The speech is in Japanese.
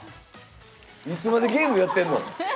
いつまでゲームやってんの！